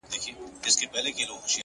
خپل ژوند د مانا له رڼا ډک کړئ